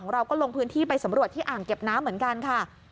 เราก็ลงพื้นที่ไปสำรวจที่อ่างเก็บน้ำเหมือนกันค่ะ